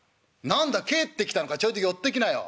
「何だ帰ってきたのかちょいと寄ってきなよ。